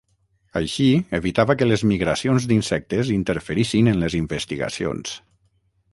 Així evitava que les migracions d'insectes interferissin en les investigacions.